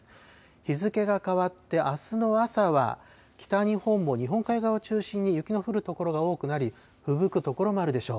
日付が変わってあすの朝は、北日本も日本海側を中心に雪の降る所が多くなり、ふぶく所もあるでしょう。